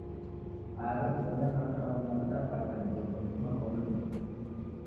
Aw'a w'ibonyagha kaung'a w'idapata njow'e kufuma kwa Mlungu.